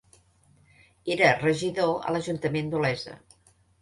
Era regidor a l'Ajuntament d'Olesa.